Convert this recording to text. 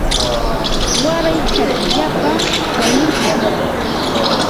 Waray chakillapa shamushaq